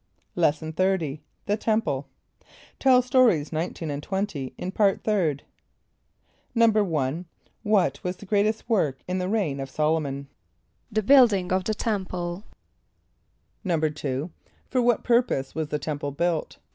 = Lesson XXX. The Temple. (Tell Stories 19 and 20, in Part Third.) =1.= What was the greatest work in the reign of S[)o]l´o mon? =The building of the temple.= =2.= For what purpose was the temple built?